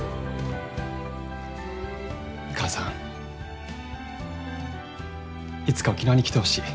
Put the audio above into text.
母さんいつか沖縄に来てほしい。